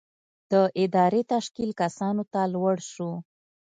د ادارې تشکیل کسانو ته لوړ شو.